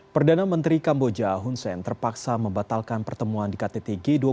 perdana menteri kamboja hun sen terpaksa membatalkan pertemuan di ktt g dua puluh